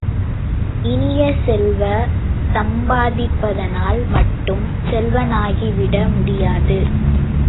இனிய செல்வ, சம்பாதிப்பதனால் மட்டும் செல்வனாகிவிட முடியாது!